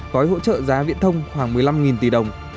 gói hỗ trợ giá viện thông khoảng một mươi năm tỷ đồng